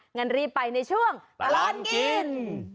งั้นรีบไปในช่วงตลอดกิน